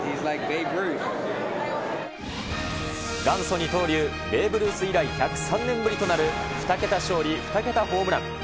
元祖二刀流、ベーブ・ルース以来、１０３年ぶりとなる２桁勝利、２桁ホームラン。